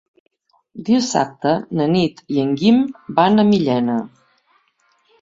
Dissabte na Nit i en Guim van a Millena.